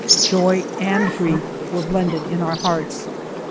Joy and grief were blended in our hearts.